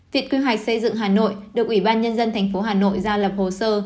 viện quy hoạch xây dựng hà nội được ủy ban nhân dân thành phố hà nội ra lập hồ sơ